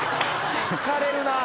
疲れるなあ。